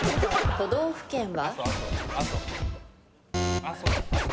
都道府県は？